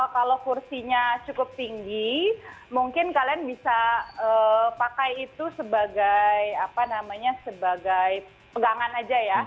kalau kursinya cukup tinggi mungkin kalian bisa pakai itu sebagai apa namanya sebagai pegangan aja ya